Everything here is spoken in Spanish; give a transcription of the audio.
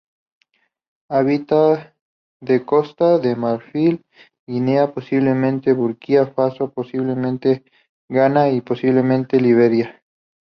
Habita en Costa de Marfil, Guinea, posiblemente Burkina Faso, posiblemente Ghana y posiblemente Liberia.